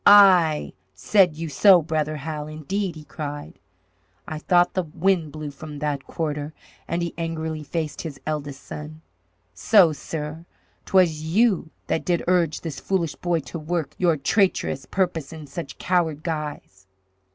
"Ay, said you so? Brother Hal, indeed!" he cried. "I thought the wind blew from that quarter," and he angrily faced his eldest son. "So, sirrah; 'twas you that did urge this foolish boy to work your traitorous purpose in such coward guise!"